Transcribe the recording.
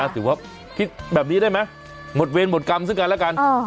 ถือว่าคิดแบบนี้ได้ไหมหมดเวรหมดกรรมซึ่งกันแล้วกัน